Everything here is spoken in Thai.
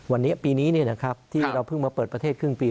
วันนี้ปีนี้ที่เราเพิ่งมาเปิดประเทศครึ่งปี